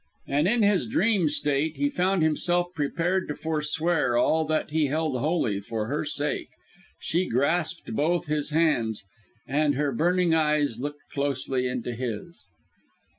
And in his dream state he found himself prepared to foreswear all that he held holy for her sake. She grasped both his hands, and her burning eyes looked closely into his.